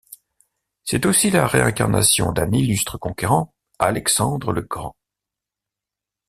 C'est aussi la réincarnation d'un illustre conquérant, Alexandre le Grand.